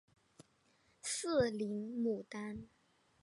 四棱牡丹